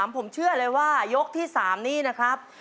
ผมเชื่อเลยว่ายกที่๓นี้นะครับ